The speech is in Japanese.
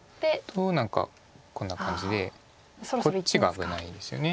と何かこんな感じでこっちが危ないんですよね。